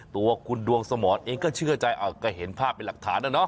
ตัวคุณดวงสมรเองก็เชื่อใจก็เห็นภาพเป็นหลักฐานนะเนอ